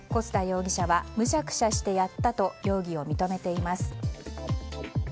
小須田容疑者はむしゃくしゃしてやったと容疑を認めています。